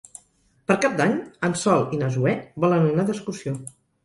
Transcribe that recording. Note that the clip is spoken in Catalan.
Per Cap d'Any en Sol i na Zoè volen anar d'excursió.